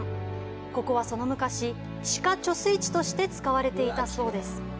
ここは、その昔、地下貯水池として使われていたそうです。